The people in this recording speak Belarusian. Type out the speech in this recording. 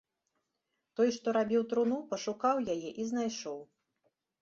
Той, што рабіў труну, пашукаў яе і знайшоў.